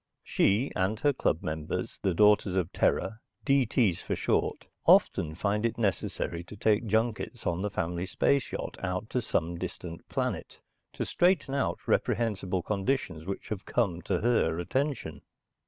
She and her club members, the Daughters of Terra (D.T.s for short), often find it necessary to take junkets on the family space yacht out to some distant planet to straighten out reprehensible conditions which have come to her attention.